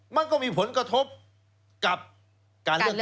มันก็มีผลกระทบกับการเลือกตั้ง